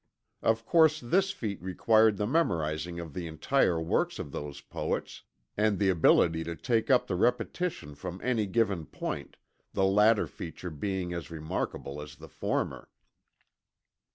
Of course this feat required the memorizing of the entire works of those poets, and the ability to take up the repetition from any given point, the latter feature being as remarkable as the former.